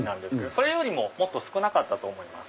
それよりももっと少なかったと思います。